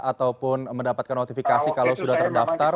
ataupun mendapatkan notifikasi kalau sudah terdaftar